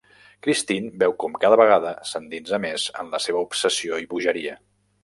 Christine veu com cada vegada s'endinsa més en la seva obsessió i bogeria.